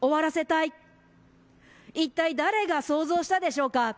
いったい誰が想像したでしょうか。